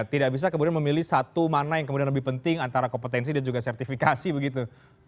tidak bisa kemudian memilih satu mana yang kemudian lebih penting antara kompetensi dan juga sertifikasi begitu